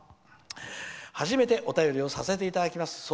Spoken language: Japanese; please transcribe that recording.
初めてお便りをさせていただきます。